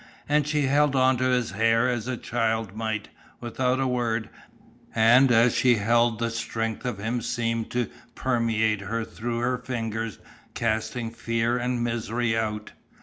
And she held on to his hair as a child might, without a word, and as she held the strength of him seemed to permeate her through her fingers casting fear and misery out.